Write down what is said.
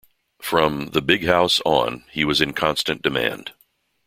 From "The Big House" on, he was in constant demand.